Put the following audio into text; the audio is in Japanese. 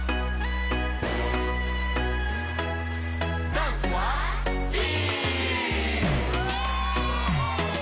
ダンスはＥ！